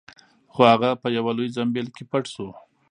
خو هغه په یوه لوی زنبیل کې پټ شو.